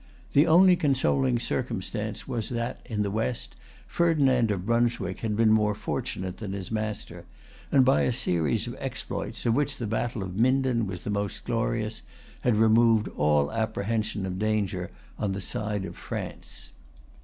The only consoling circumstance was that, in the West, Ferdinand of Brunswick had been more fortunate than his master; and by a series of exploits, of which the battle of Minden was the most glorious, had removed all apprehension of danger on the side of France.